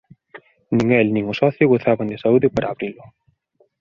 Nin el nin o socio gozaban de saúde para abrilo.